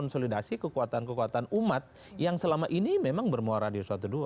konsolidasi kekuatan kekuatan umat yang selama ini memang bermuara di dua ratus dua belas